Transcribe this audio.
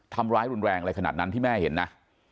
ทำร้ายรุนแรงอะไรขนาดนั้นที่แม่เห็นนะ